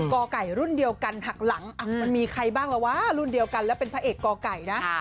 กไก่รุ่นเดียวกันหักหลังมันมีใครบ้างละวะรุ่นเดียวกันแล้วเป็นพระเอกก่อไก่นะ